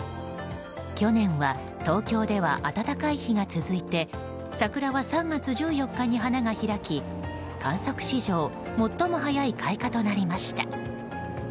去年は東京では暖かい日が続いて桜は３月１４日に花が開き観測史上最も早い開花となりました。